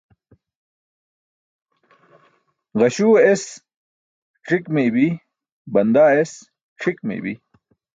Ġaśu es c̣ik meybi, bandaa es c̣ʰik meybi.